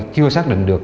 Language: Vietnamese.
chưa xác định được